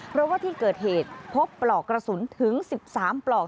เพราะว่าที่เกิดเหตุพบปลอกกระสุนถึง๑๓ปลอก